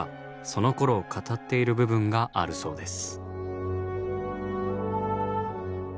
そのころを語っている部分があるそうです。